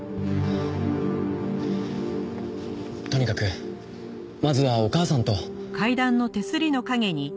とにかくまずはお母さんと。